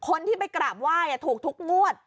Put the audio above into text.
คนที่ไปกราบว่ายถูกทุกมวด